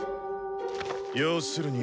要するに。